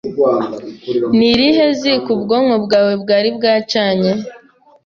Ni irihe ziko ubwonko bwawe bwari bwacanye